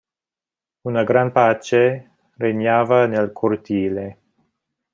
Una gran pace regnava nel cortile.